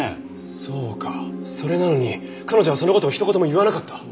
そうかそれなのに彼女はその事をひと言も言わなかった。